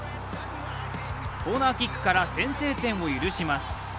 コーナーキックから先制点を許します。